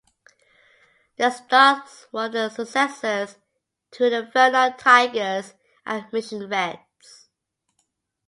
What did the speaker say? The Stars were the successors to the Vernon Tigers and Mission Reds.